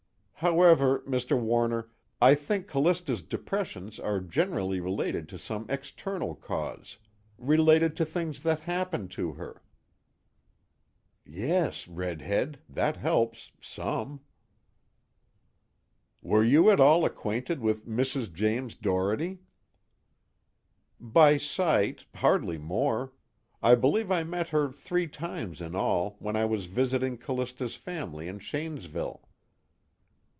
"However, Mr. Warner, I think Callista's depressions are generally related to some external cause. Related to things that happen to her." Yes, Redhead, that helps some. "Were you at all acquainted with Mrs. James Doherty?" "By sight, hardly more. I believe I met her three times in all, when I was visiting Callista's family in Shanesville."